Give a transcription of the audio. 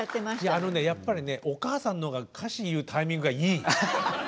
あのねやっぱりねお母さんの方が歌詞言うタイミングがいい。